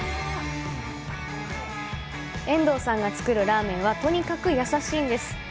遠藤さんが作るラーメンは、とにかく優しいんです！